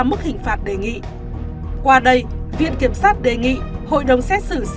mức hình phạt đề nghị qua đây viện kiểm sát đề nghị hội đồng xét xử